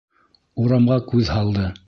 Урамға күҙ һалды.